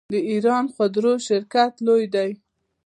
د ایران خودرو شرکت لوی دی.